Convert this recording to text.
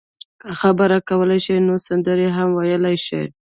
که خبرې کولای شئ نو سندرې هم ویلای شئ.